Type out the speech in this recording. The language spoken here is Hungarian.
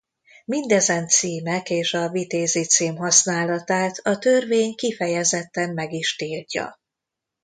Mindezen címek és a vitézi cím használatát a törvény kifejezetten meg is tiltja.